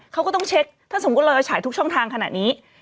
เขาก็ต้องเช็คถ้าสมมุติเราจะฉายทุกช่องทางขนาดนี้